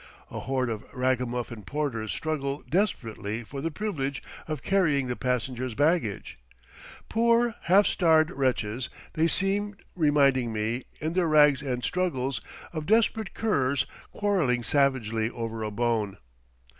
A horde of ragamuffin porters struggle desperately for the privilege of carrying the passengers' baggage. Poor, half starved wretches they seem, reminding me, in their rags and struggles, of desperate curs quarrelling savagely over a bone.